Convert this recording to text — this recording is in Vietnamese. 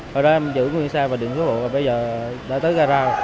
hồi đó em giữ nguyên xe và điện cứu hộ rồi bây giờ đã tới gara